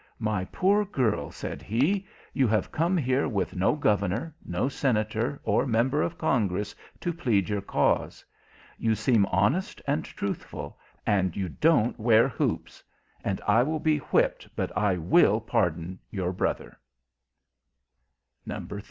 "My poor girl," said he, "you have come here with no governor, or senator, or member of Congress, to plead your cause. You seem honest and truthful; and you don't wear hoops and I will be whipped but I will pardon your brother."